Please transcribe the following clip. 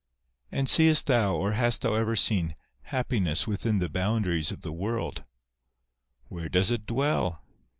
And seest thou, or hast thou ever seen, happiness within the boundaries of the world ? Where does it dwell